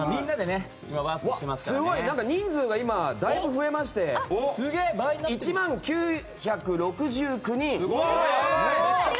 すごい人数がだいぶ増えまして１万９６９人。